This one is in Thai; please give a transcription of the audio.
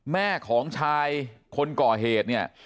แม่ของชายคนก่อเหตุเนี่ย